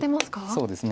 そうですね。